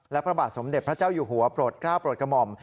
และพระบาทสมเด็จพระเจ้าอยู่หัวโปรดกล้าโปรดกระหม่อม